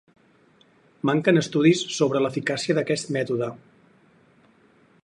Manquen estudis sobre l'eficàcia d'aquest mètode.